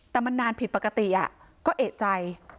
แต่มันนานผิดปกติก็เอกใจ